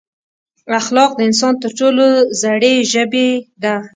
اخلاق د انسان تر ټولو زړې ژبې ده.